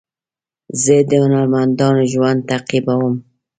زه د هنرمندانو ژوند تعقیبوم.